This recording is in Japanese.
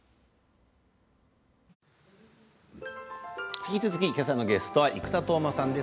引き続き、今朝のゲストは生田斗真さんです。